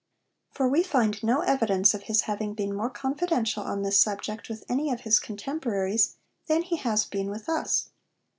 For we find no evidence of his having been more confidential on this subject with any of his contemporaries than he has been with us.